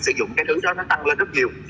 sử dụng những thứ đó tăng lên rất nhiều